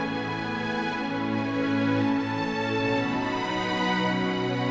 saya enggak perlu kamu kasihanin